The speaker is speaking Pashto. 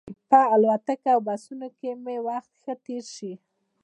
په الوتکو او بسونو کې مې وخت ښه تېر شي.